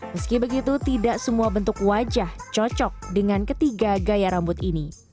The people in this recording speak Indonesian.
meski begitu tidak semua bentuk wajah cocok dengan ketiga gaya rambut ini